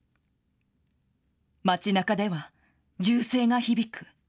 町なかでは、銃声が響く。